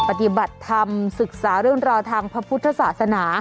ปฏิบัติธรรมศึกษาเรื่องราวทางพระพุทธศาสนา